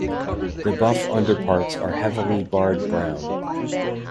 The buff underparts are heavily barred brown.